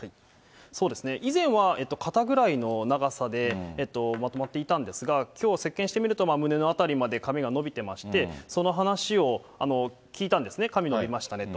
そうですね、以前は肩ぐらいの長さでまとまっていたんですが、きょう接見してみると、胸の辺りまで髪が伸びてまして、その話を聞いたんですね、髪伸びましたねと。